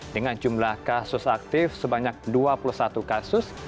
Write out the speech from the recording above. dengan jumlah kasus aktif sebanyak dua puluh satu kasus